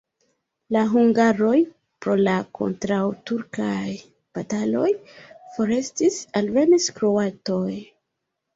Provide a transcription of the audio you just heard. La hungaroj pro la kontraŭturkaj bataloj forestis, alvenis kroatoj.